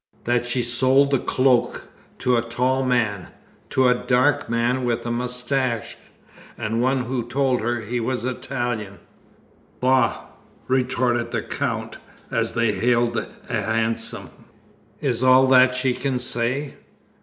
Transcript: "That she sold the cloak to a tall man to a dark man with a moustache, and one who told her he was Italian." "Bah!" retorted the Count, as they hailed a hansom. "Is all that she can say?